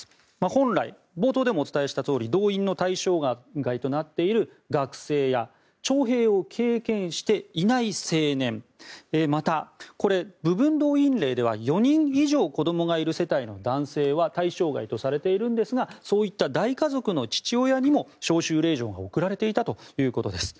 本来、冒頭でもお伝えしたとおり動員の対象外となっている学生や徴兵を経験していない青年また、部分動員令では４人以上子どもがいる世帯の男性は対象外とされているんですがそういった大家族の父親にも招集令状が送られていたということです。